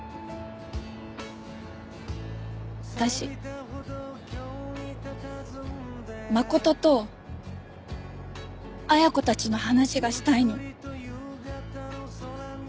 私真琴と恵子たちの話がしたいの。